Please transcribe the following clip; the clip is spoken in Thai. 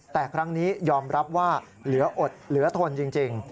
แต่ครั้งนี้ยอมรับว่าเหลืออดเหลือทนจริง